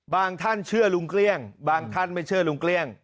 ท่านเชื่อลุงเกลี้ยงบางท่านไม่เชื่อลุงเกลี้ยง